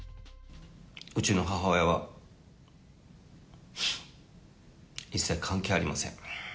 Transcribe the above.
うちの母親は一切関係ありません。